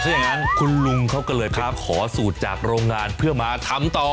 ถ้าอย่างนั้นคุณลุงเขาก็เลยไปขอสูตรจากโรงงานเพื่อมาทำต่อ